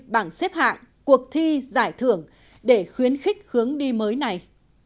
bảng xếp hạng cuộc thi giải thưởng để khuyến khích hướng đi mới này